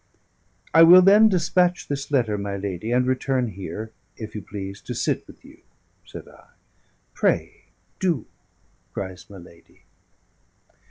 "I will, then, despatch this letter, my lady, and return here, if you please, to sit with you," said I. "Pray do," cries my lady.